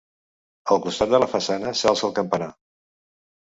Al costat de la façana s'alça el campanar.